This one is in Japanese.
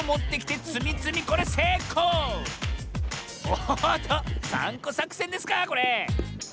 おおおっと３こさくせんですかこれ？